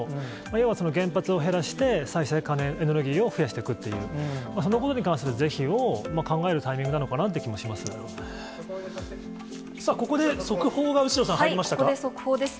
要は原発を減らして再生可能エネルギーを増やしていくという、そのことに関する是非を考えるタイミングなのかなっていう気もしここで速報が後呂さん、ここで速報です。